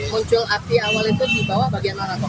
muncul api awal itu di bawah bagian mana pak